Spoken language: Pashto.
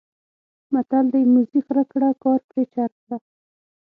متل دی: موزي خر کړه کار پرې چرب کړه.